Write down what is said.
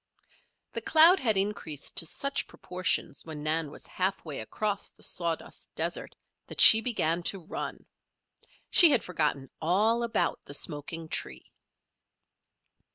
The cloud had increased to such proportions when Nan was half way across the sawdust desert that she began to run. She had forgotten all about the smoking tree.